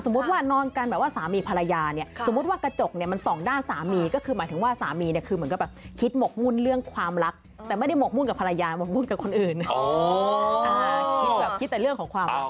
ว่านอนกันแบบว่าสามีภรรยาเนี่ยสมมุติว่ากระจกเนี่ยมันส่องด้านสามีก็คือหมายถึงว่าสามีเนี่ยคือเหมือนกับแบบคิดหมกมุ่นเรื่องความรักแต่ไม่ได้หกมุ่นกับภรรยาหกมุ่นกับคนอื่น